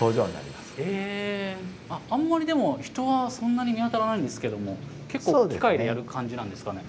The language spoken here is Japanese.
あんまりでも人はそんなに見当たらないんですけども結構機械でやる感じなんですかね？